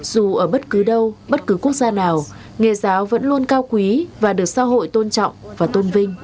dù ở bất cứ đâu bất cứ quốc gia nào nghề giáo vẫn luôn cao quý và được xã hội tôn trọng và tôn vinh